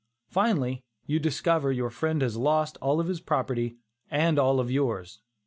Finally you discover your friend has lost all of his property and all of yours.